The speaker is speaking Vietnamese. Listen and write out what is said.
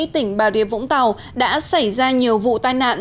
tỉnh bà rịa vũng tàu đã xảy ra nhiều vụ tai nạn